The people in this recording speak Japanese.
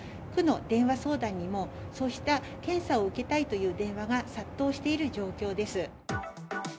区の電話相談にも、そうした検査を受けたいという電話が殺到している状況です。